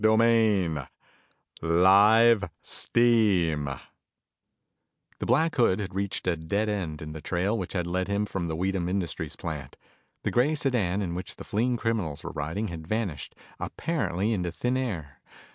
CHAPTER IV Live Steam The Black Hood had reached a dead end in the trail which had led him from the Weedham Industries plant. The gray sedan in which the fleeing criminals were riding had vanished, apparently into thin air.